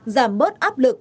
giảm bớt áp lực